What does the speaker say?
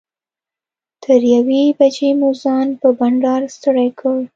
تر یوې بجې مو ځان په بنډار ستړی کړ.